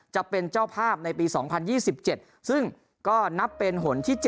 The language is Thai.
จะเป็นเจ้าภาพในปี๒๐๒๗ซึ่งก็นับเป็นหนที่๗